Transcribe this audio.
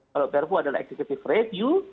kalau perpu adalah executive review